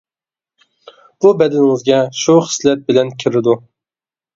بۇ بەدىنىڭىزگە شۇ خىسلەت بىلەن كىرىدۇ.